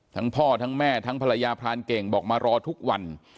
ทั้งพ่อทั้งแม่ทั้งภรรยาพรานเก่งบอกมารอทุกวัน